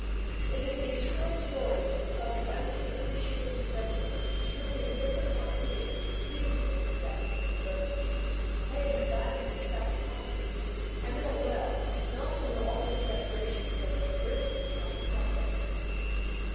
It is the eternal story of the unappreciated inventor, to whom the indifferent or envious refuse the means of testing his inventions, to pay him the value he sets upon them. I know it well and also know all the exaggeration that has been written upon this subject.